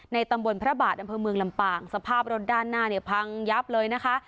ตำบลพระบาทอำเภอเมืองลำปางสภาพรถด้านหน้าเนี่ยพังยับเลยนะคะ